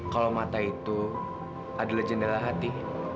kalau mata itu adalah jendela hati